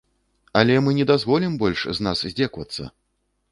Але мы не дазволім больш з нас здзекавацца.